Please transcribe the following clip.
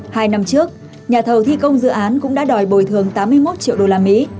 hai năm trước nhà thầu thi công dự án cũng đã đòi bồi thường tám mươi một triệu đô la mỹ